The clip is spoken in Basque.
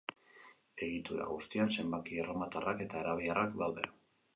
Egitura guztian zenbaki erromatarrak eta arabiarrak daude.